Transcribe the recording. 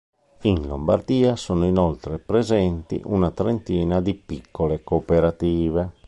In Lombardia sono inoltre presenti una trentina di piccole cooperative.